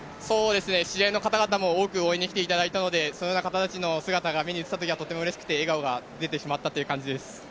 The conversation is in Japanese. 試合の方々も多く応援にきていただいたので、その方たちの顔が見えたときはとてもうれしくて笑顔が出てしまったという感じです。